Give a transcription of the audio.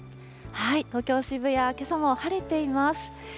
東京・渋谷、けさも晴れています。